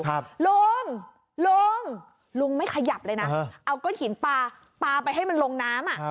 ลุงลุงลุงไม่ขยับเลยนะเอาก้นหินปลาปลาไปให้มันลงน้ำอ่ะ